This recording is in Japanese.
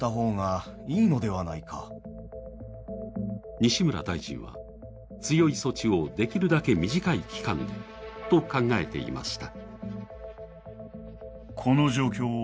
西村大臣は強い措置をできるだけ短い期間でと考えていました。